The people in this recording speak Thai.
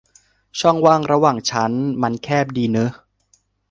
ช่องว่างระหว่างชั้นมันแคบดีเนอะ